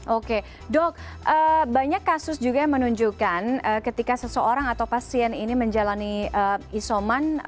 oke dok banyak kasus juga yang menunjukkan ketika seseorang atau pasien ini menjalani isoman